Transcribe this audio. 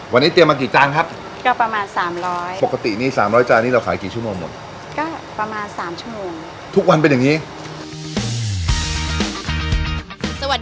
วันนี้เตรียมมากี่จานครับ